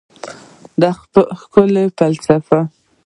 د ښکلا فلسفه